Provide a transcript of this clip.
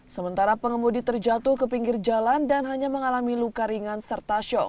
sementara pengemudi terjatuh ke pinggir jalan dan hanya mengalami luka ringan serta shock